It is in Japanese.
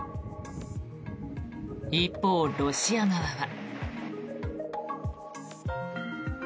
一方、ロシア側は。